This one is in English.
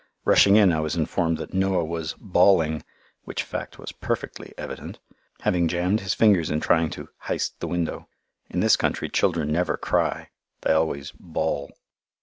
Rushing in, I was informed that Noah was "bawling" (which fact was perfectly evident), having jammed his fingers in trying to "hist" the window. In this country children never cry; they always "bawl."